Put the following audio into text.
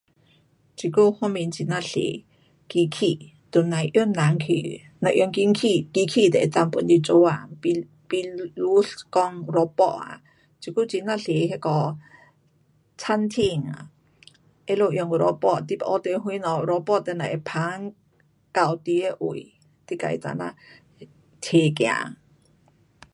现在发明很哪多机器。都甭用人去。只用机器机器都可以帮你做工。比比如讲 robot ah 现在很哪多那个餐厅啊，他们用 robot 你要 order 什么，robot 等下会捧到你的位，你自己等下拿走。